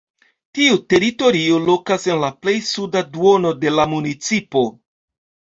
Tiu teritorio lokas en la plej suda duono de la municipo.